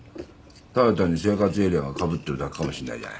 ただ単に生活エリアがかぶってるだけかもしんないじゃない。